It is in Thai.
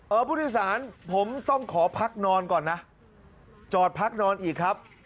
ผู้โดยสารผมต้องขอพักนอนก่อนนะจอดพักนอนอีกครับ